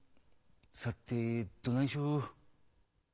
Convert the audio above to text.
さてどないしよう」。